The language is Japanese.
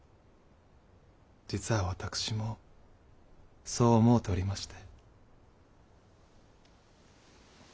実は私もそう思うておりまして。